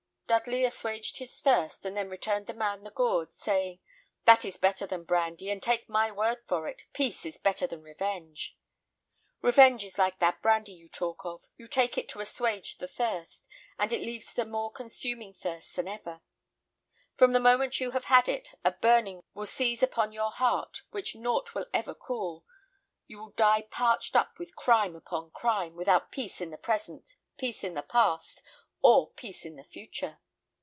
Dudley assuaged his thirst, and then returned the man the gourd, saying, "That is better than brandy, and take my word for it, peace is bettor than revenge. Revenge is like that brandy you talk of: you take it to assuage a thirst, and it leaves a more consuming thirst than ever. From the moment you have had it, a burning will seize upon your heart, which nought will ever cool, you will die parched up with crime upon crime, without peace in the present, peace in the past, or peace in the future."